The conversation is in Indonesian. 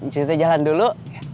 cuitanya jalan dulu